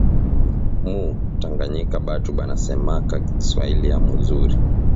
Mu tanganyika batu banasemaka Swahili ya muzuri